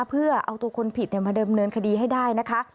เพื่อเอาตัวคนผิดมาเดิมเนินคดีให้ได้นะคะ